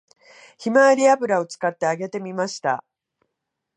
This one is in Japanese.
ひまわり油を使って揚げてみました